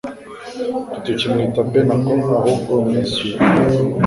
ntitukimwita Benaco ahubwo Mincio